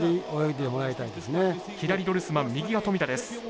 左ドルスマン右が富田です。